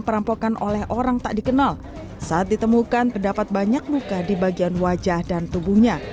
perampokan oleh orang tak dikenal saat ditemukan terdapat banyak luka di bagian wajah dan tubuhnya